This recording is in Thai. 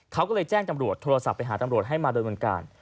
เขาก็เลยแจ้งจำรวจโทรศัพท์ไปหาตำรวจให้มาโดยเมืองกาล